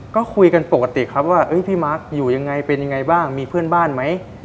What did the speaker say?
ก็คุยกันปกติครับว่าพี่มาร์คอยู่ยังไงเป็นยังไงบ้างมีเพื่อนบ้านไหม